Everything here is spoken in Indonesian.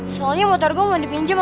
soalnya motor gue mau dipinjam